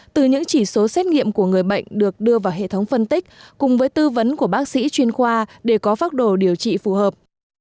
từ những chỉ số xét nghiệm của người bệnh được đưa vào hệ thống phân tích cùng với tư vấn của bác sĩ chuyên khoa để có pháp đồ điều trị phù hợp